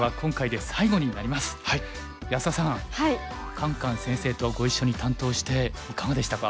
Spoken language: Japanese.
カンカン先生とご一緒に担当していかがでしたか？